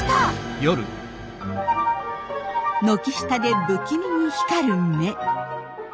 軒下で不気味に光る目。